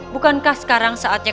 bukankah sekarang saatnya